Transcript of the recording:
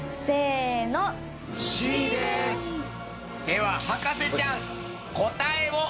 では博士ちゃん。